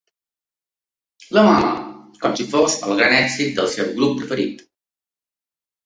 "La mama!" com si fos el gran èxit del seu grup preferit.